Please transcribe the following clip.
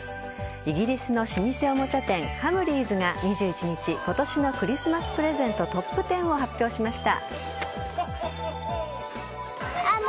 イギリスの老舗おもちゃ店ハムリーズが２１日今年のクリスマスプレゼントトップ１０を発表しました。